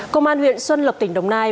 công an huyện xuân lập tỉnh đồng nai